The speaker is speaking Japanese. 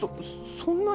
そんなに？